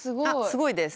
すごいです。